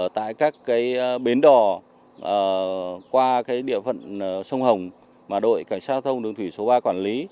tại các bến đò qua địa phận sông hồng mà đội cảnh sát giao thông đường thủy số ba quản lý